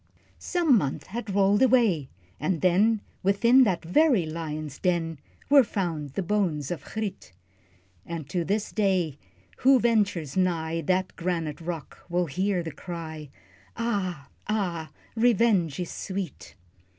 Some months had rolled away, and then, Within that very lion's den, Were found the bones of Griet; And to this day, who ventures nigh That granite rock, will hear the cry, "Ah, ah, revenge is sweet!"